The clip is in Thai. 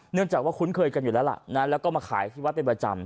เนื่องจากว่าคุ้นเคยกันอยู่แล้วล่ะนะแล้วก็มาขายที่วัดเป็นประจำ